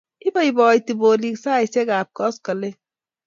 Ipoipoiti polik saisyek ap koskoling'